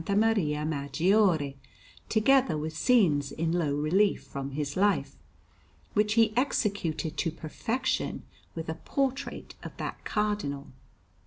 Maria Maggiore, together with scenes in low relief from his life, which he executed to perfection, with a portrait of that Cardinal.